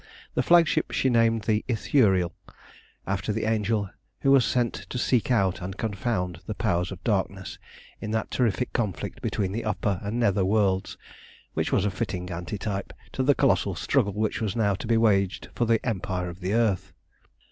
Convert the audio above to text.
The flagship she named the Ithuriel, after the angel who was sent to seek out and confound the Powers of Darkness in that terrific conflict between the upper and nether worlds, which was a fitting antetype to the colossal struggle which was now to be waged for the empire of the earth.